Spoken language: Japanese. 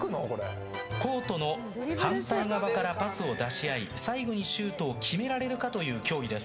コートの反対側からパスを出し合い最後にシュートを決められるかという競技です。